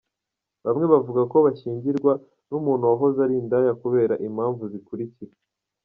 Bamwe bavuga ko bashyingirwa n’umuntu wahoze ari indaya kubera impamvu zikurikira :.